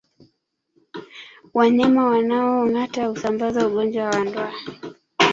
Wanyama wanaongata husambaza ugonjwa wa ndwa